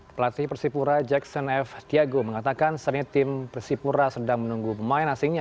pelatih persipura jackson f tiago mengatakan saat ini tim persipura sedang menunggu pemain asingnya